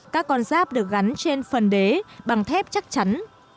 các con giáp được gắn trên phần đế bằng thép chắc chắn